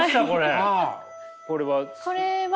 これは？